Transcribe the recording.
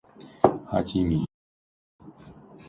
哈基米是什么意思？